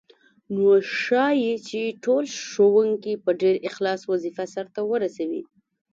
نو ښايي چې ټول ښوونکي په ډېر اخلاص وظیفه سرته ورسوي.